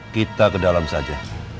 kita ke dalam saja